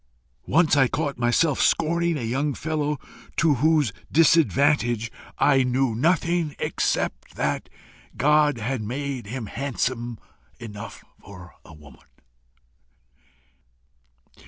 Once I caught myself scorning a young fellow to whose disadvantage I knew nothing, except that God had made him handsome enough for a woman.